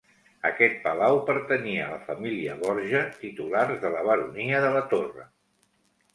Aquest palau pertanyia a la família Borja, titulars de la Baronia de la Torre.